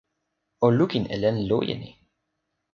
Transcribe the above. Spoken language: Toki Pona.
o lukin e len loje ni.